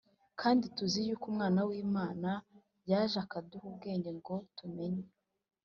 Kandi tuzi yuko Umwana w’Imana yaje akaduha ubwenge, ngo tumenye